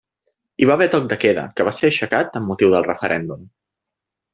Hi va haver toc de queda que va ser aixecat amb motiu del referèndum.